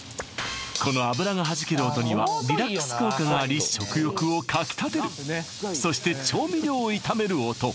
この油がはじける音にはリラックス効果があり食欲をかきたてるそして調味料を炒める音